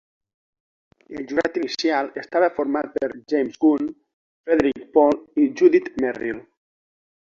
El jurat inicial estava format per James Gunn, Frederik Pohl i Judith Merril.